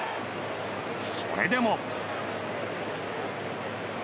それでも。